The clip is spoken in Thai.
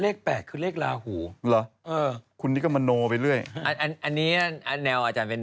เลข๘คือเลขลาหูหรอคุณนี่ก็มโนไปเรื่อยอันเนี่ยแนวอาจารย์เป็น๑